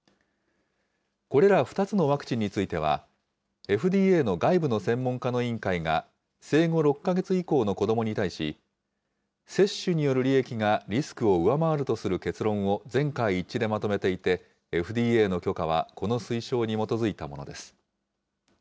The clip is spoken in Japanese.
これら２つのワクチンについては、ＦＤＡの外部の専門家の委員会が、生後６か月以降の子どもに対し、接種による利益がリスクを上回るとする結論を全会一致でまとめていて、ＦＤＡの許可は、この推奨に基づいたものです。